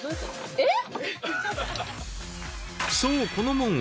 えっ！？